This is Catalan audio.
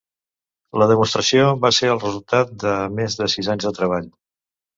La demostració va ser el resultat de més de sis anys de treball.